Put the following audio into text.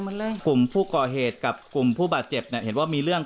เรื่องกลุ่มผู้ก่อเหตุกับกลุ่มผู้บาดเจ็บเนี่ยเห็นว่ามีเรื่อง